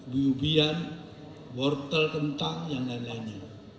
biubian wortel kentang yang lain lainnya